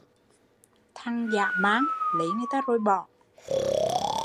Thằng dã man, lấy người ta rồi bỏ